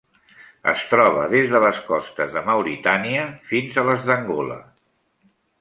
Es troba des de les costes de Mauritània fins a les d'Angola.